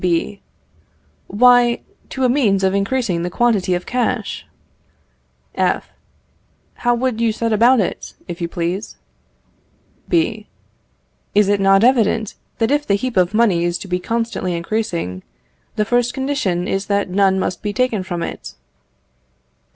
B. Why, to a means of increasing the quantity of cash. F. How would you set about it, if you please? B. Is it not evident that if the heap of money is to be constantly increasing, the first condition is that none must be taken from it?